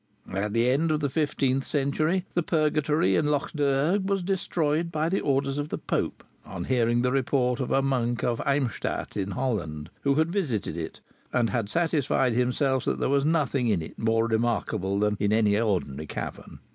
At the end of the fifteenth century the Purgatory in Lough Derg was destroyed by orders of the Pope, on hearing the report of a monk of Eymstadt in Holland, who had visited it, and had satisfied himself that there was nothing in it more remarkable than in any ordinary cavern.